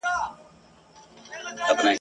سره غوښه او چاړه سوه !.